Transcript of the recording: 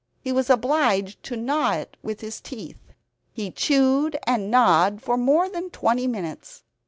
He was obliged to gnaw it with his teeth. He chewed and gnawed for more than twenty minutes.